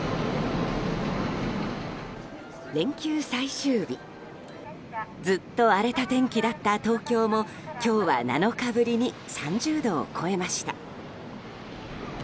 連休最終日ずっと荒れた天気だった東京も今日は７日ぶりに３０度を超えました。